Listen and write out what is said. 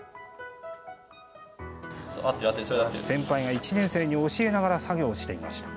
先輩が１年生に教えながら作業をしていました。